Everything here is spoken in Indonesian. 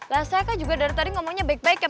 lah saya kan juga dari tadi ngomongnya baik baik ya